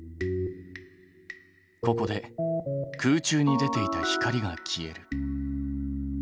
ここで空中に出ていた光が消える。